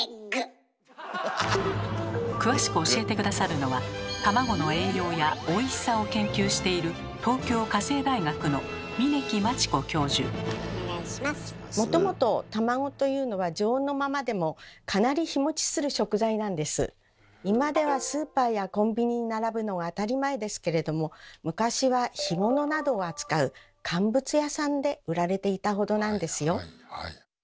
詳しく教えて下さるのは卵の栄養やおいしさを研究している今ではスーパーやコンビニに並ぶのは当たり前ですけれども昔は干物などを扱う乾物屋さんで売られていたほどなんですよ。